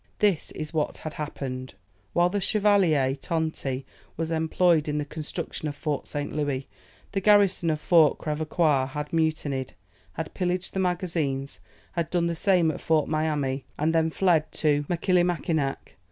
This is what had happened. While the Chevalier Tonti was employed in the construction of Fort St. Louis, the garrison of Fort Crèvecoeur had mutinied, had pillaged the magazines, had done the same at Fort Miami, and then fled to Machillimackinac.